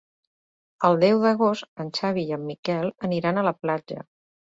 El deu d'agost en Xavi i en Miquel aniran a la platja.